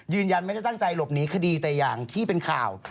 ยืนยันไม่ได้ตั้งใจหลบหนีคดีแต่อย่างที่เป็นข่าว